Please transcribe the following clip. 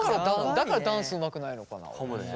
だからダンスうまくないのかな。かもね。